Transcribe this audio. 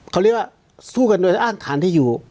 เขาเรียกว่าสู้กันโดยอ้างฐานที่อยู่